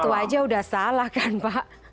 itu aja udah salah kan pak